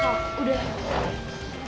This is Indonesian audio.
kal kal udah